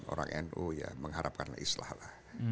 orang nu ya mengharapkan islah lah